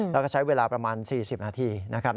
แล้วก็ใช้เวลาประมาณ๔๐นาทีนะครับ